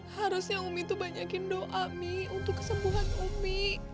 harusnya umi tuh banyakin doa mi untuk kesembuhan umi